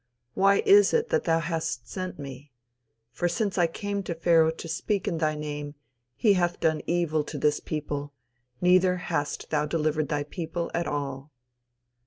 Why is it that thou hast sent me? For since I came to Pharaoh to speak in thy name he hath done evil to this people; neither hast thou delivered thy people at all."